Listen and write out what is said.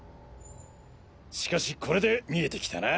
しかしこれで見えてきたな。